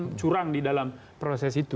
yang curang di dalam proses itu